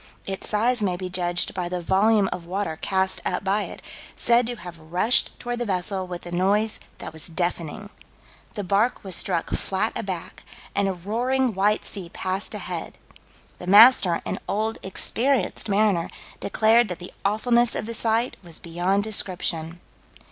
Its size may be judged by the volume of water cast up by it, said to have rushed toward the vessel with a noise that was "deafening." The bark was struck flat aback, and "a roaring, white sea passed ahead." "The master, an old, experienced mariner, declared that the awfulness of the sight was beyond description."